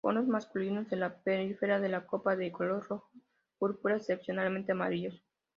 Conos masculinos en la periferia de la copa, de color rojo púrpura, excepcionalmente amarillos.